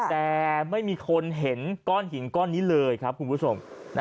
แต่ไม่มีคนเห็นก้อนหินก้อนนี้เลยครับคุณผู้ชม